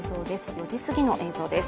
４時すぎの映像です。